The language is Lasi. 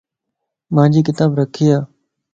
مانجي ڪتاب رکي ا